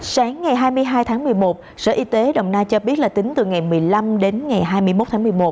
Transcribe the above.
sáng ngày hai mươi hai tháng một mươi một sở y tế đồng nai cho biết là tính từ ngày một mươi năm đến ngày hai mươi một tháng một mươi một